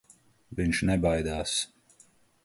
Viņš nebaidās.